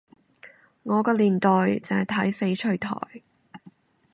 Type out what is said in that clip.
我個年代淨係睇翡翠台